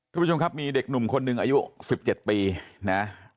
ทุกผู้ชมครับมีเด็กหนุ่มคนหนึ่งอายุ๑๗ปีนะ